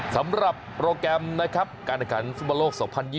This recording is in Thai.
สำหรับโปรแกรมนะครับการแข่งขันฟุตบอลโลก๒๐๒๐